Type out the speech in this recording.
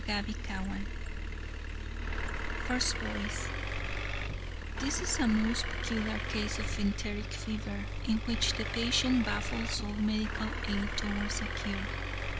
CHAPTER XXIII FIRST VOICE: "This is a most peculiar case of enteric fever, in which the patient baffles all medical aid towards a cure.